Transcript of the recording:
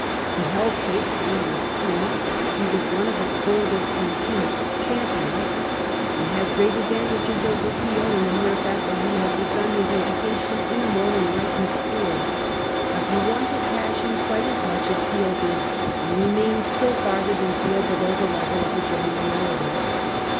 He held faithfully to his creed ; he was one of its boldest and keenest cham pions. He had great advantages over Peel, in the mere fact that he had begun his education in a more enlightened school. But he wanted passion quite as much as Peel did, and remained still farther than Peel below the level of the genuine orator.